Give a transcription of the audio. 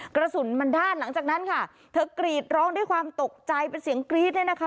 กระสุนมันด้านหลังจากนั้นค่ะเธอกรีดร้องด้วยความตกใจเป็นเสียงกรี๊ดเนี่ยนะคะ